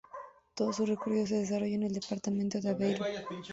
Todo su recorrido se desarrolla en el departamento de Aveyron.